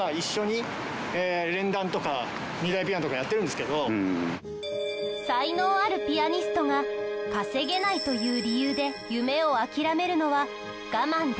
だから才能あるピアニストが稼げないという理由で夢を諦めるのは我慢できない！